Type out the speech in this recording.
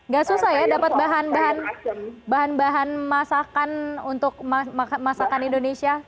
gak susah ya dapat bahan bahan masakan untuk masakan indonesia